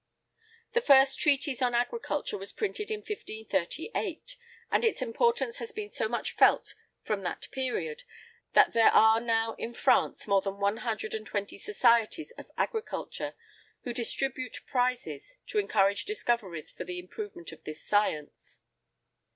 The first treatise on agriculture was printed in 1538; and its importance has been so much felt from that period, that there are now in France more than one hundred and twenty societies of agriculture, who distribute prizes to encourage discoveries for the improvement of this science.